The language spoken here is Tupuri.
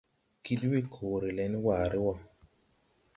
Kiɗ we koore le ne waare wɔ.